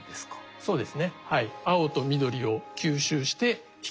そうですねはい。